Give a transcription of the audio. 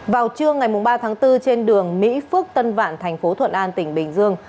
vào trưa ngày ba tháng bốn trên đường mỹ phước tân vạn thành phố thuận an tỉnh bình dương